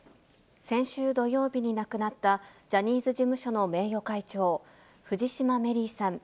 先週土曜日に亡くなったジャニーズ事務所の名誉会長、藤島メリーさん。